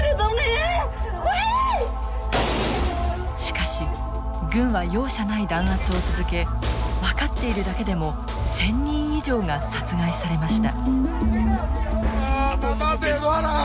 しかし軍は容赦ない弾圧を続け分かっているだけでも１，０００人以上が殺害されました。